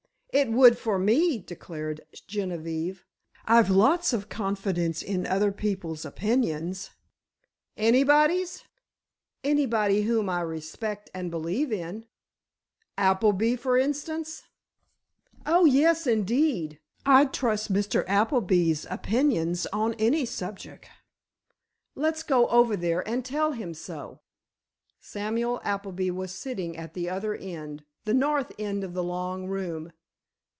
"It would for me," declared Genevieve. "I've lots of confidence in other people's opinions——" "Anybody's?" "Anybody whom I respect and believe in." "Appleby, for instance?" "Oh, yes, indeed! I'd trust Mr. Appleby's opinions on any subject. Let's go over there and tell him so." Samuel Appleby was sitting at the other end, the north end of the long room.